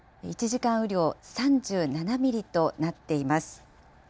１時間雨量、３７ミリとなっています。